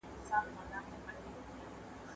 جنرال سیل هڅه وکړه د جلال آباد لښکر سره یوځای شي.